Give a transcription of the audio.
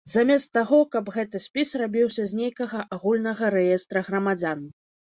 Замест таго, каб гэты спіс рабіўся з нейкага агульнага рэестра грамадзян.